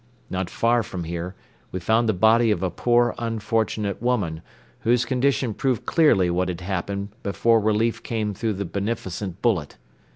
Not far from here we found the body of a poor unfortunate woman, whose condition proved clearly what had happened before relief came through the beneficent bullet.